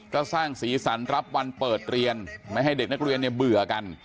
ก็สร้างสีสันรับวันเปิดเรียนไม่ให้เด็กนักเรียนเนี่ยเบื่อกัน